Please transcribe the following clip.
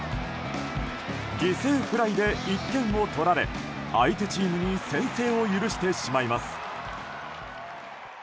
犠牲フライで１点を取られ相手チームに先制を許してしまいます。